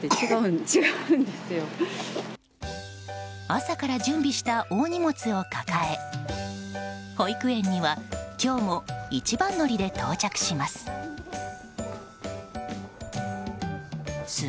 朝から準備した大荷物を抱え保育園には今日も一番乗りで到着します。